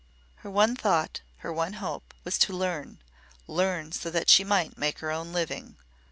Her one thought her one hope was to learn learn, so that she might make her own living.